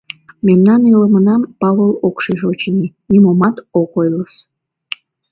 Мемнан илымынам Павыл ок шиж, очыни, нимомат ок ойлыс...